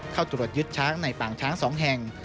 เข้าตรวจยึดช้างในป่างช้าง๒แห่ง